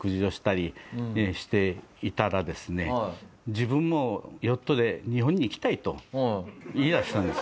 自分もヨットで日本に行きたいと言い出したんです。